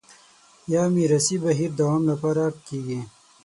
یا میراثي بهیر دوام لپاره کېږي